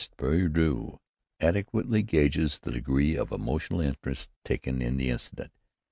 Il est perdu!" adequately gauges the degree of emotional interest taken in the incident.